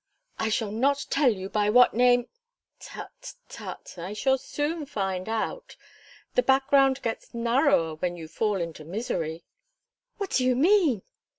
"I shall not tell you by what name " "Tut tut! I shall soon find out. The background gets narrower when you fall into misery." "What do you mean?"